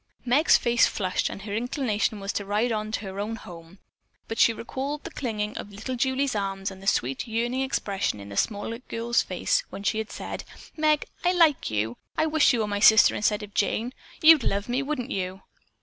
Meg's face flushed and her inclination was to ride on to her own home, but she recalled the clinging of little Julie's arms and the sweet, yearning expression in the small girl's face when she had said, "Meg, I like you. I wish you were my sister instead of Jane. You'd love me, wouldn't you?"